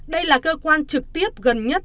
đây là cơ quan trực tiếp gần nhất